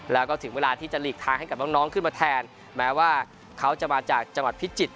แล้วก็ถึงเวลาที่จะหลีกทางให้กับน้องขึ้นมาแทนแม้ว่าเขาจะมาจากจังหวัดพิจิตร